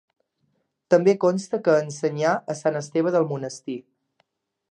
També consta que ensenyà a Sant Esteve del Monestir.